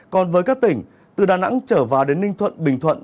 còn với các tỉnh từ đà nẵng trở vào đến ninh thuận bình thuận